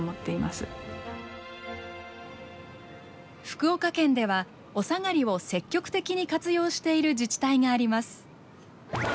福岡県ではおさがりを積極的に活用している自治体があります。